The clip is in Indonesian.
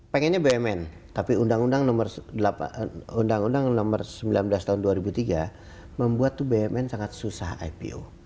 pengennya bumn tapi undang undang nomor sembilan belas tahun dua ribu tiga membuat bumn sangat susah ipo